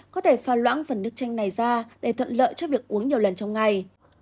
có thể pha loãng phần nước chanh này ra để thuận lợi cho việc uống nhiều lần trong ngày